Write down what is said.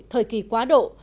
thời kỳ quá độ